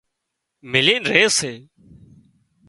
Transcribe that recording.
ملينَ ري سي